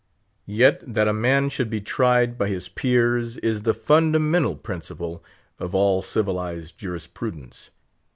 Yet that a man should be tried by his peers is the fundamental principle of all civilised jurisprudence.